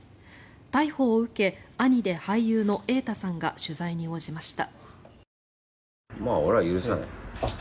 逮捕を受け兄で俳優の瑛太さんが取材に応じました。